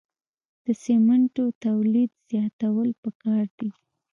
د سمنټو تولید زیاتول پکار دي